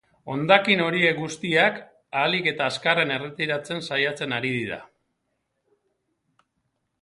Hondakin horiek guztiak ahalik eta azkarren erretiratzen saiatzen ari dira.